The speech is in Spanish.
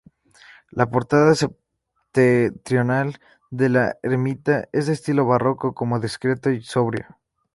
La portada septentrional de la ermita es de estilo barroco, pero discreto y sobrio.